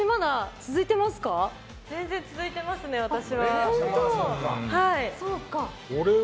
続いてますね、私は。